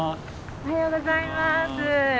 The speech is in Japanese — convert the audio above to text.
おはようございます。